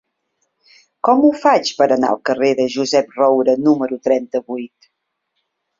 Com ho faig per anar al carrer de Josep Roura número trenta-vuit?